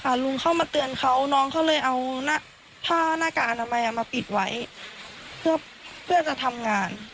ลุงเข้ามาเตือนเขาน้องเขาเลยเอาหน้าผ้าหน้ากากอนามัยอ่ะมาปิดไว้เพื่อเพื่อจะทำงาน